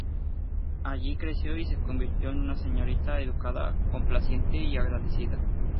Allí creció y se convirtió en una señorita educada, complaciente, y agradecida.